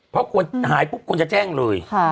เพราะคนหายปุ๊บควรจะแจ้งเลย